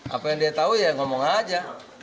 apa yang dia tahu ya ngomong aja